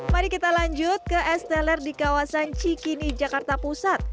mari kita lanjut ke es teler di kawasan cikini jakarta pusat